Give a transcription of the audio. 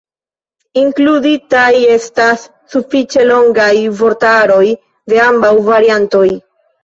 Inkluditaj estas sufiĉe longaj vortaroj de ambaŭ variantoj.